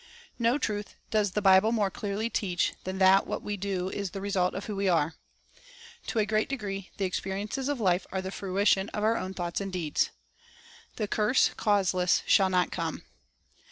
No truth does the Bible more clearly teach than that what we do is the result of what we are. To a great degree the experiences of life are the fruition of our own thoughts and deeds. "The curse causeless shall not come."